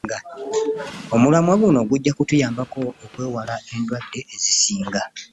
Omulamwa guno gujja kubayambako okwewala endwadde ezisinga.